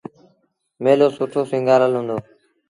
ميلو سُٺو سيٚݩگآرل هُݩدو۔